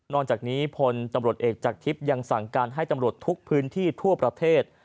จากนี้พลตำรวจเอกจากทิพย์ยังสั่งการให้ตำรวจทุกพื้นที่ทั่วประเทศ